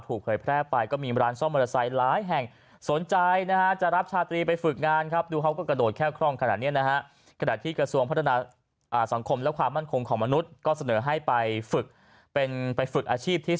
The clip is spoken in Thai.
คือผมก็คิดว่าที่ลงไปน่าจะขอโอกาสอะไรอย่างนี้ครับ